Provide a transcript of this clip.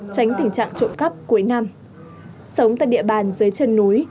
tránh tình trạng trộm cắp cuối năm sống tại địa bàn dưới chân núi